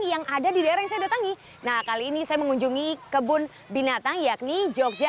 yang ada di daerah yang saya datangi nah kali ini saya mengunjungi kebun binatang yakni jogja